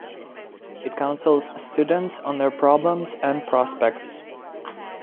It counsels students on their problems and prospects.